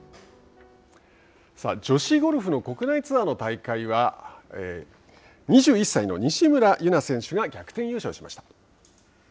女子ゴルフの国内ツアーの大会は２１歳の西村優菜選手が逆転優勝しました。